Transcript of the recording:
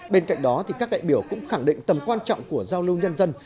bên cạnh đó các đại biểu cũng khẳng định tầm quan trọng của giao lưu nhân dân